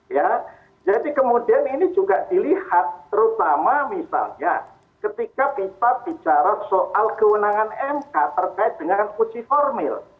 ya jadi kemudian ini juga dilihat terutama misalnya ketika kita bicara soal kewenangan mk terkait dengan uji formil